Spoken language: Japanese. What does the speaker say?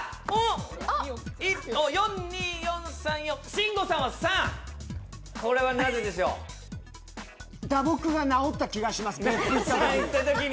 慎吾さんは３、これはなぜでしょう打撲が治った気がします、行ったときに。